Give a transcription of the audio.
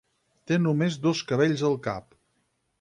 Té només dos cabells al cap.